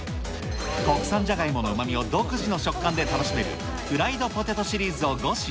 国産じゃがいものうまみを独自の食感で楽しめるフライドポテトシリーズを５品。